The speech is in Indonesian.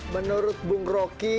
menurut bung roky